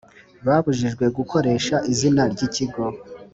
babujijwe gukoresha izina ry ikigo